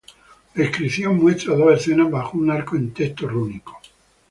La inscripción muestra dos escenas bajo un arco en texto rúnico.